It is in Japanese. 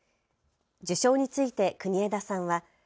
受章について国枝さんは。